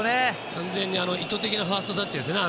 完全に意図的なファーストタッチですよね